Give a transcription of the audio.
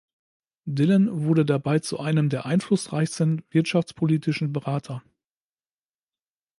Dillon wurde dabei zu einem der einflussreichsten wirtschaftspolitischen Berater.